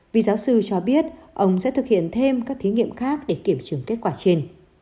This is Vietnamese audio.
vì giáo sư cho biết ông sẽ thực hiện thêm các thí nghiệm khác để kiểm chứng kết quả trên